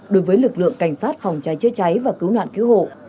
đối với lực lượng cảnh sát phòng cháy chữa cháy và cứu nạn cứu hộ